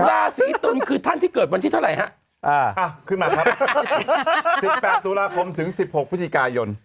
ราศีตุ๋นเป็นอย่างไรครับ